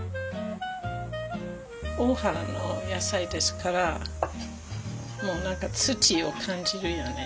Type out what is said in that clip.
大原の野菜ですから土を感じるよね。